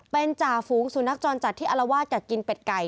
เป็นจ่าฝูงสุนัขจรจัดที่อารวาสกับกินเป็ดไก่